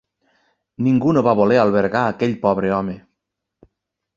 Ningú no va voler albergar aquell pobre home.